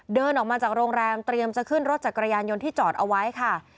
เดินออกมาจากโรงแรมเตรียมจะขึ้นรถจักรยานยนต์ที่จอดเอาไว้ค่ะ